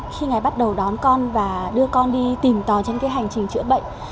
khi ngài bắt đầu đón con và đưa con đi tìm tò trên cái hành trình chữa bệnh